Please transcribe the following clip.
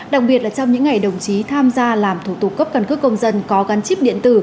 đặc biệt là trong những ngày đồng chí tham gia làm thủ tục cấp căn cước công dân có gắn chip điện tử